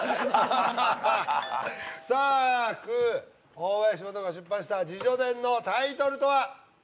大林素子が出版した自叙伝のタイトルとは？